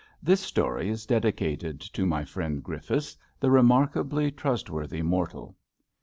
This story is dedicated to my friend Griffiths, the re markably trustworthy mortal.